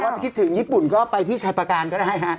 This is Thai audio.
จะคิดถึงญี่ปุ่นก็ไปที่ชัยประการก็ได้ฮะ